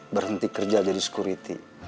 berhenti kerja jadi security